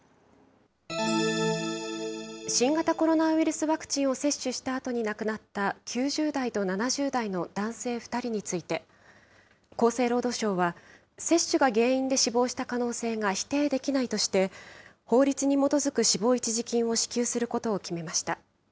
新型コロナウイルスワクチンを接種したあとに亡くなった９０代と７０代の男性２人について、厚生労働省は、接種が原因で死亡した可能性が否定できないとして、法律に基づく死亡一時金を支給することを決めました。